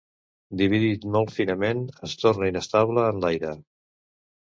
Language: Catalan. Dividit molt finament es torna inestable en l'aire.